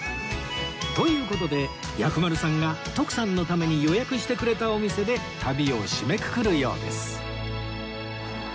という事で薬丸さんが徳さんのために予約してくれたお店で旅を締めくくるようです